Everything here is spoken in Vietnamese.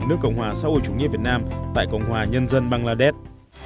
nước cộng hòa xã hội chủ nghĩa việt nam tại cộng hòa nhân dân bangladesh